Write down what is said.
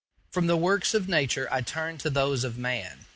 From the works of nature I turned to those of man.